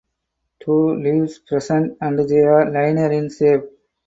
Two leaves present and they are linear in shape.